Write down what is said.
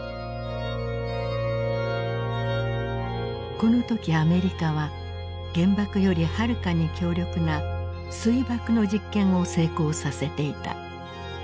この時アメリカは原爆よりはるかに強力な水爆の実験を成功させていた。